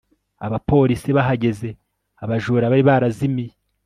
Abapolisi bahageze abajura bari barazimiye